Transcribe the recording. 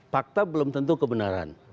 fakta belum tentu kebenaran